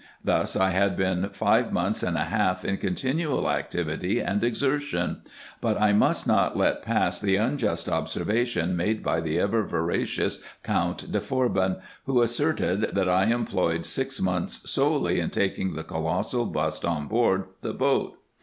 Thus I had been five months and a half in continual activity and exertion ; but I must not let pass the unjust observation made by the ever veracious Count de Forbin, who asserted, that I employed six months solely in taking the colossal bust on board the boat.